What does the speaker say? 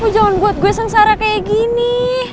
aku jangan buat gue sengsara kayak gini